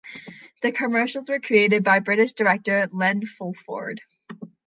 The commercials were created by British director, Len Fulford.